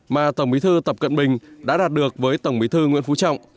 mà tổng bí thư tập cận bình đã đạt được với tổng bí thư nguyễn phú trọng